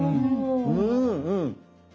うんうん。